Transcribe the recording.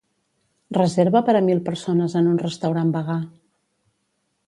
Reserva per a mil persones en un restaurant vegà.